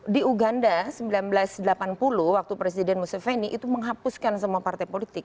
di uganda seribu sembilan ratus delapan puluh waktu presiden museveni itu menghapuskan semua partai politik